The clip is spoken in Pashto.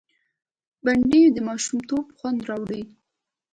بېنډۍ د ماشومتوب خوند راوړي